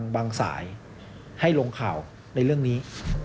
สายให้ลงข่าวในเรื่องนี้